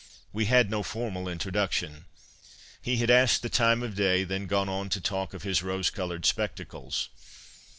We had no formal introduction. He had asked the time of day, then gone on to talk of his rose coloured spectacles.